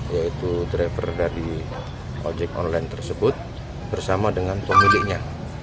yaitu driver dari ojek online tersebut bersama dengan pemiliknya